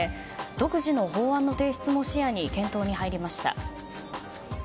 独自の法案の提出も視野に検討に入りました。